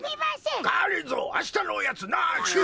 がりぞーあしたのおやつなし！